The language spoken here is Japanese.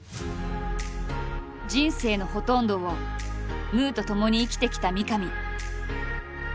人生のほとんどを「ムー」とともに生きてきた三上。